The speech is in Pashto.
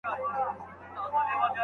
په کور کې د درس پر مهال ډار نه احساسېږي.